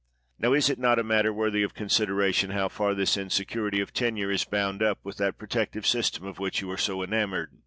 Now, is it not a matter worthy of considera tion, how far this insecurity of tenure is bound up with that protective system of which you are so enamored?